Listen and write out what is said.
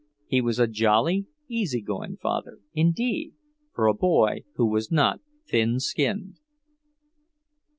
He was a jolly, easy going father, indeed, for a boy who was not thin skinned.